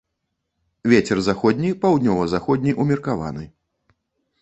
Вецер заходні, паўднёва-заходні ўмеркаваны.